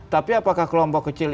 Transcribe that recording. tapi apakah kelompok kecil